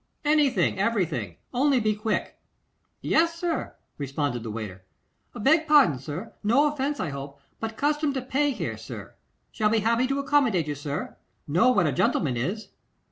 'Anything, everything, only be quick.' 'Yes, sir,' responded the waiter. 'Beg pardon, sir. No offence, I hope, but custom to pay here, sir. Shall be happy to accommodate you, sir. Know what a gentleman is.